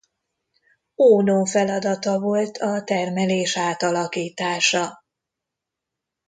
Óno feladata volt a termelés átalakítása.